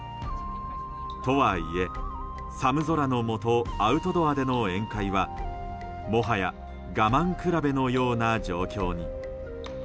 とはいえ寒空の下アウトドアでの宴会はもはや我慢比べのような状況に。